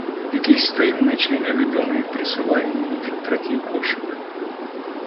Якийсь таємничий невідомий присилає мені вже третій кошик.